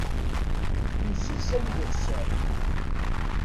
Yuzzel Sami d akessar.